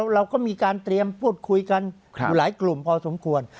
เราก็มีการเตรียมพูดคุยกันอยู่หลายกลุ่มพอสมควร